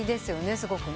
すごくね。